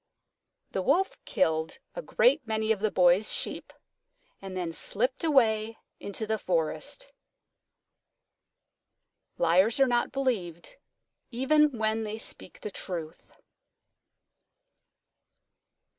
The Wolf killed a great many of the Boy's sheep and then slipped away into the forest. _Liars are not believed even when they speak the truth.